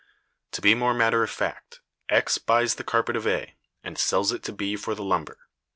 To be more matter of fact, X buys the carpet of A, and sells it to B for the lumber.